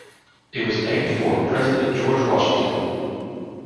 It was named for President George Washington.